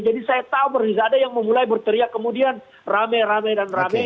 jadi saya tahu berarti ada yang memulai berteriak kemudian rame rame dan rame